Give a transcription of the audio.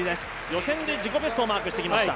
予選で自己ベストをマークしてきました。